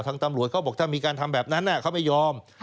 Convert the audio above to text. ตำรวจเขาบอกถ้ามีการทำแบบนั้นเขาไม่ยอม